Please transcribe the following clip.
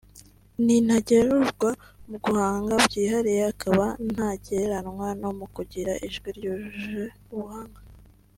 ni ntagerurwa mu guhanga byihariye akaba ntagereranywa no mu kugira ijwi ryuje ubuhanga